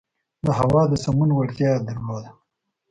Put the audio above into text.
د هوا د سمون وړتیا یې درلوده.